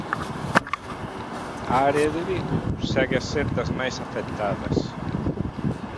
A área de Vigo segue a ser das máis afectadas.